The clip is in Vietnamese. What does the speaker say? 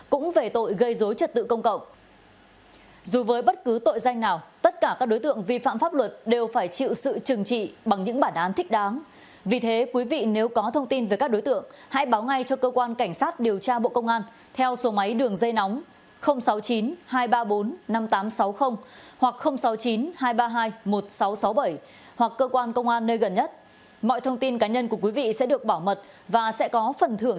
còn về tội gây dối trật tự công cộng công an thành phố ninh bình tỉnh ninh phúc thành phố an đồng huyện an đồng huyện an đồng